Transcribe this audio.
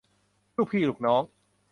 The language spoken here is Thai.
ลูกพี่ลูกน้อง